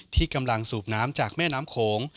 ที่กำลังสูบน้ำจากแม่น้ำโขง